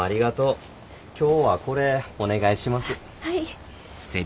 はい。